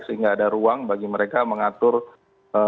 sehingga ada ruang bagi mereka mengatur apa namanya pembagian kreditnya